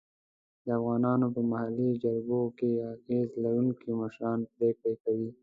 د افغانانو په محلي جرګو کې اغېز لرونکي مشران پرېکړه کوي.